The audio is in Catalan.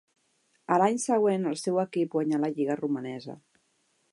A l'any següent el seu equip guanyà la lliga romanesa.